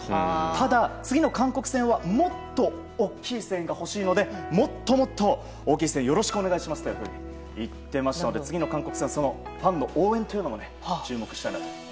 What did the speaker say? ただ、次の韓国戦はもっと大きい声援が欲しいのでもっともっと大きい声援をお願いしますと言っていましたので次の韓国戦はファンの応援にも注目したいなと思います。